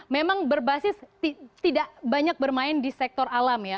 memang berbasis tidak banyak bermain di sektor alam ya